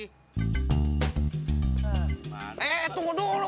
eh tunggu dulu